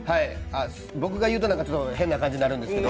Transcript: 僕が言うと変な感じになるんですけど。